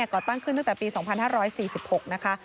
ก่อตั้งขึ้นตั้งแต่ปี๒๕๔๖นะคะ